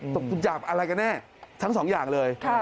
ตกหยาบอะไรกันแน่ทั้งสองอย่างเลย